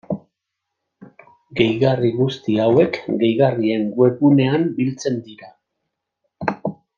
Gehigarri guzti hauek gehigarrien webgunean biltzen dira.